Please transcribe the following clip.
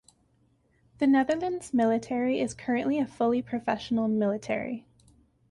The Netherlands' military is currently a fully professional military.